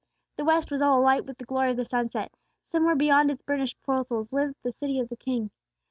The west was all alight with the glory of the sunset; somewhere beyond its burnished portals lay the City of the King.